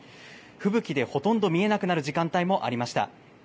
吹雪でほとんど見えなくなる時間帯もありました。